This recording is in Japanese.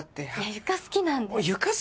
床好きなんです。